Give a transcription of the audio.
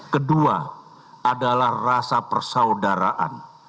kedua adalah rasa persaudaraan